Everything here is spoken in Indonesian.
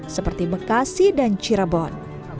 seperti bekasi dan cirebon